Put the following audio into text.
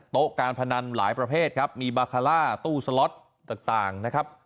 โต๊ะการพนันหลายประเภทมีบาคาล่าตู้สล็อตต่าง